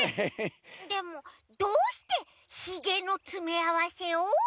でもどうしてヒゲのつめあわせを？